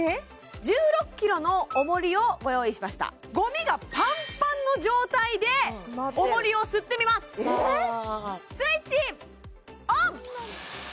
１６ｋｇの重りをご用意しましたゴミがパンパンの状態で重りを吸ってみますスイッチオン！